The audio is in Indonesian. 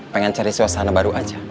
pengen cari suasana baru aja